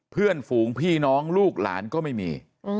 เพื่อนฝูงพี่น้องลูกหลานก็ไม่มี